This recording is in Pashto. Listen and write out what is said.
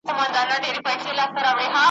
دا وطن دعقابانو `